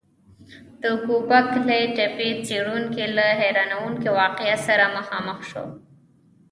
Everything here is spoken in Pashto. د ګوبک لي تپې څېړونکي له حیرانوونکي واقعیت سره مخامخ شول.